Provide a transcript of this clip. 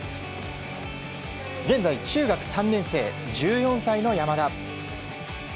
現在、中学３年生、１４歳の山田。